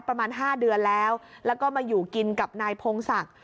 ประมาณ๕เดือนแล้วแล้วก็มาอยู่กินกับนายพงศักดิ์